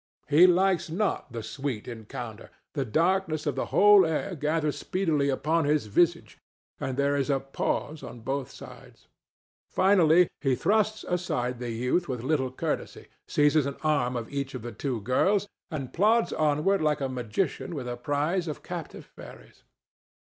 He likes not the sweet encounter; the darkness of the whole air gathers speedily upon his visage, and there is a pause on both sides. Finally he thrusts aside the youth with little courtesy, seizes an arm of each of the two girls, and plods onward like a magician with a prize of captive fairies.